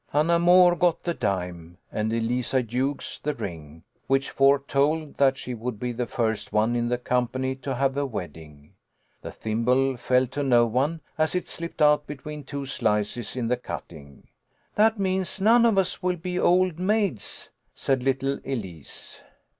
A HALLOWE'EN PARTY. 163 Anna Moore got the dime, and Eliza Hughes the ring, which foretold that she would be the first one in the company to have a wedding. The thimble fell to no one, as it slipped out between two slices in the cutting. " That means none of us will be old maids," said little Elise.